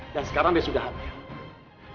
dan sekarang dia sudah hamil